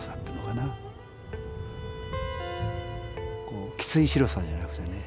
こうきつい白さじゃなくてね。